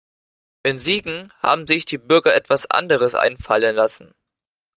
In Siegen haben sich die Bürger etwas anderes einfallen lassen.